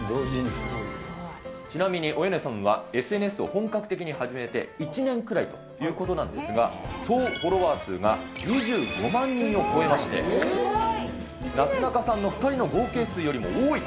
ちなみにおよねさんは、ＳＮＳを本格的に始めて１年くらいということなんですが、総フォロワー数が２５万人を超えまして、なすなかさんの２人の合計数よりも多いと。